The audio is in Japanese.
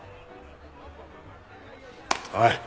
おい！